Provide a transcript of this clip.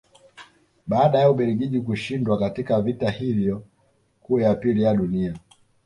Baada ya Ubelgiji kushindwa katika vita hiyo kuu ya pili ya Dunia